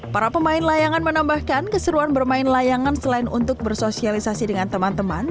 para pemain layangan menambahkan keseruan bermain layangan selain untuk bersosialisasi dengan teman teman